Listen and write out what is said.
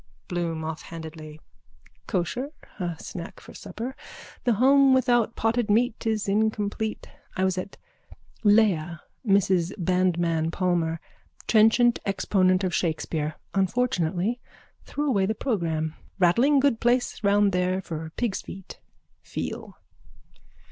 BLOOM: (Offhandedly.) Kosher. A snack for supper. The home without potted meat is incomplete. I was at Leah, Mrs Bandmann Palmer. Trenchant exponent of Shakespeare. Unfortunately threw away the programme. Rattling good place round there for pigs' feet. Feel.